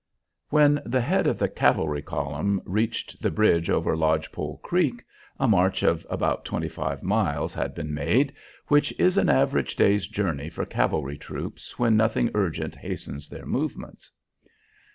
When the head of the cavalry column reached the bridge over Lodge Pole Creek a march of about twenty five miles had been made, which is an average day's journey for cavalry troops when nothing urgent hastens their movements.